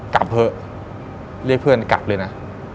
กลับเถอะเรียกเพื่อนกลับเลยนะ